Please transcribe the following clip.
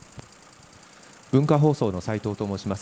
文化放送のさいとうと申します。